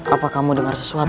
apa kamu dengar sesuatu